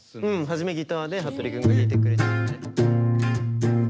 初めギターではっとりくんが弾いてくれてたよね。